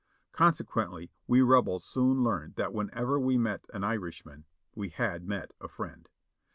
Con sequently, we Rebels soon learned that whenever we met an Irish man we had met a friend.